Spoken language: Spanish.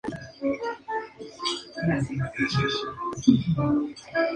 De tal modo, un bloque de programa consta de varias instrucciones.